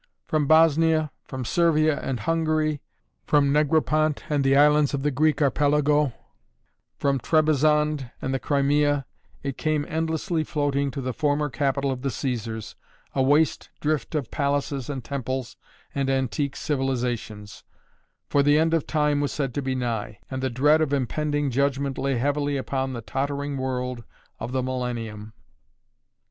From Bosnia, from Servia and Hungary, from Negropont and the islands of the Greek Archipelago, from Trebizond and the Crimea it came endlessly floating to the former capital of the Cæsars, a waste drift of palaces and temples and antique civilizations, for the End of Time was said to be nigh, and the dread of impending judgment lay heavily upon the tottering world of the Millennium.